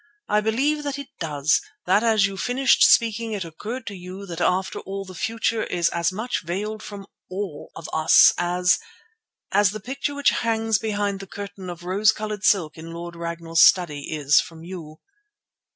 I believe that it does; that as you finished speaking it occurred to you that after all the future is as much veiled from all of us as—as the picture which hangs behind its curtain of rose coloured silk in Lord Ragnall's study is from you."